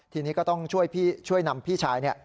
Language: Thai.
ทีนี้ก็ต้องช่วยนำพี่ชาย